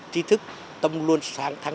trí thức tâm luôn sáng tháng năm